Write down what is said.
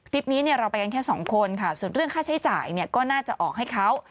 คลิปนี้เราไปกันแค่สองคนค่ะส่วนเรื่องค่าใช้จ่ายก็น่าจะออกให้เขา